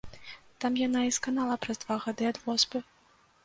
Там яна і сканала праз два гады ад воспы.